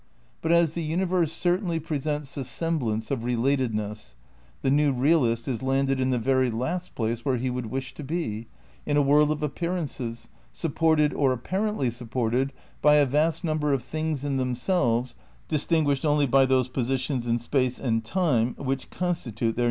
But as the universe certainly presents the semblance of related ness, the new realist is landed in the very last place where he would wish to be, in a world of appearances, supported or apparently supported by a vast number of things in themselves distinguished only by those positions in space and time which constitute their.